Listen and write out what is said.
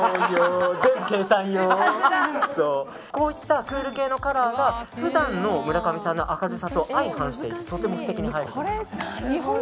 こういったクール系のカラーは普段の村上さんの明るさと相反してとても素敵に映えると思います。